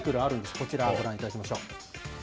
こちらご覧いただきましょう。